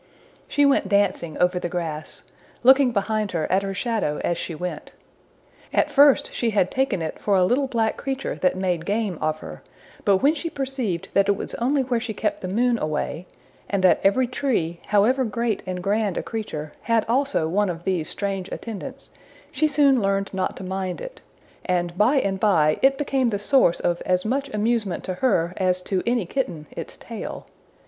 She went dancing over the grass, looking behind her at her shadow as she went. At first she had taken it for a little black creature that made game of her, but when she perceived that it was only where she kept the moon away, and that every tree, however great and grand a creature, had also one of these strange attendants, she soon learned not to mind it, and by and by it became the source of as much amusement to her as to any kitten its tail.